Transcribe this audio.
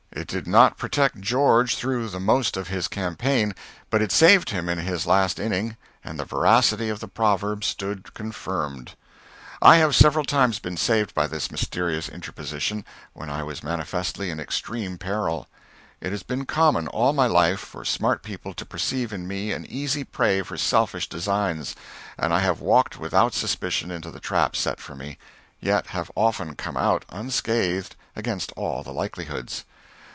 It did not protect George through the most of his campaign, but it saved him in his last inning, and the veracity of the proverb stood confirmed. [Sidenote: (1865.)] I have several times been saved by this mysterious interposition, when I was manifestly in extreme peril. It has been common, all my life, for smart people to perceive in me an easy prey for selfish designs, and I have walked without suspicion into the trap set for me, yet have often come out unscathed, against all the likelihoods.